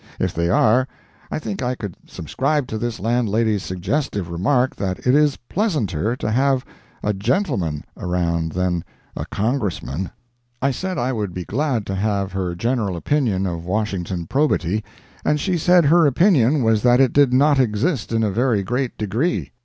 If they are, I think I could subscribe to this landlady's suggestive remark that it is pleasanter to have a "gentleman" around than a Congressman. I said I would be glad to have her general opinion of Washington probity; and she said her opinion was that it did not exist in a very great degree.